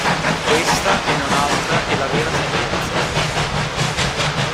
Questa e non altra è la vera saggezza.